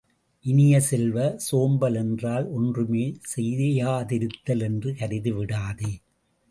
இனிய செல்வ, சோம்பல் என்றால் ஒன்றுமே செய்யாதிருத்தல் என்று கருதிவிடாதே!